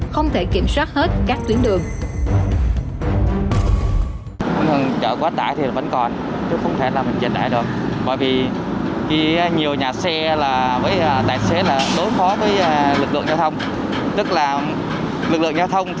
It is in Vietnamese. không thể kiểm soát hết các tuyến đường